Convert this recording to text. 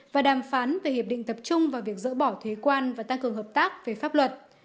và đàm phán về hiệp định tập trung vào việc dỡ bỏ thuế quan và tăng cường hợp tác về pháp luật